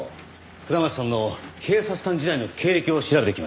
下松さんの警察官時代の経歴を調べてきました。